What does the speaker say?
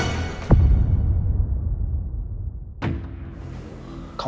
sekian dulu dro